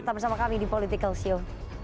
tetap bersama kami di political show